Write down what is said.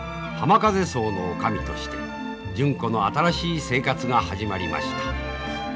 浜風荘の女将として純子の新しい生活が始まりました。